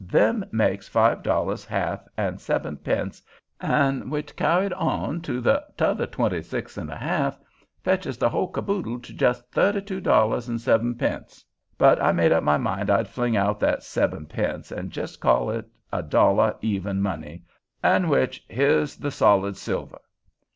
Them makes five dollars half an' seb'n pence, an' which kyar'd on to the t'other twenty six an' a half, fetches the whole cabool to jes' thirty two dollars an' seb'n pence. But I made up my mind I'd fling out that seb'n pence, an' jes' call it a dollar even money, an' which here's the solid silver."